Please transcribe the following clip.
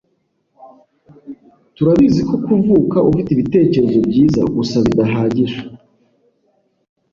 Turabizi ko kuvuka ufite ibitekerezo byiza gusa bidahagije.